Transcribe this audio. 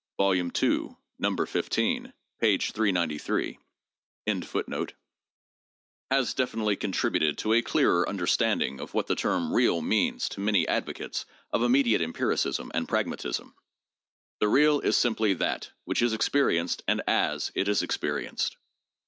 TDROPESSOR DEWEY'S recent article in this Journal 1 has * definitely contributed to a clearer understanding of what the term 'real' means to many advocates of immediate empiricism and pragmatism. The real is simply that which is experienced and as it is experienced.